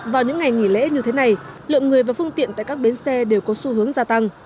vào những ngày nghỉ lễ như thế này lượng người và phương tiện tại các bến xe đều có xu hướng gia tăng